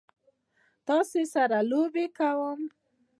تاسو سره لوبه کوم؟